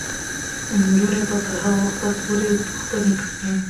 نجونې به تر هغه وخته پورې پوښتنې کوي.